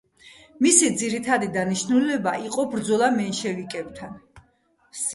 მისი ძირითადი დანიშნულება იყო ბრძოლა მენშევიკებთან.